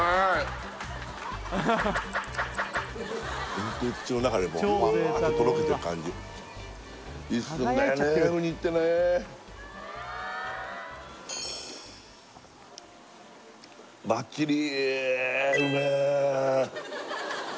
ホントに口の中でもうふわってとろけてく感じ一瞬だよねウニってねバッチリ！